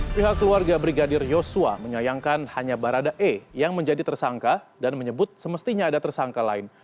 pihak keluarga brigadir yosua menyayangkan hanya barada e yang menjadi tersangka dan menyebut semestinya ada tersangka lain